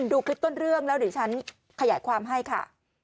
ดูคลิปต้นเรื่องแล้วเดี๋ยวฉันขยายความให้ค่ะ